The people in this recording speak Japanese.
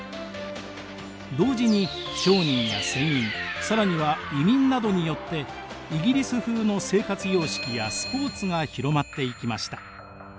同時に商人や船員更には移民などによってイギリス風の生活様式やスポーツが広まっていきました。